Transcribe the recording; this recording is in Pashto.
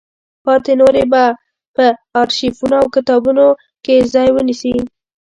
پاتې نورې به په ارشیفونو او کتابونو کې ځای ونیسي.